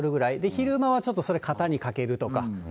昼間はちょっとそれ、肩にかけるとか。